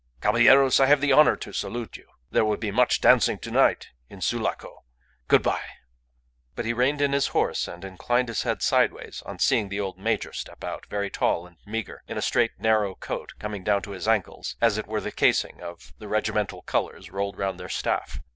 Caballeros, I have the honour to salute you. There will be much dancing to night in Sulaco. Good bye!" But he reined in his horse and inclined his head sideways on seeing the old major step out, very tall and meagre, in a straight narrow coat coming down to his ankles as it were the casing of the regimental colours rolled round their staff.